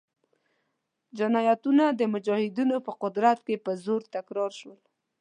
جنایتونه د مجاهدینو په قدرت کې په زور تکرار شول.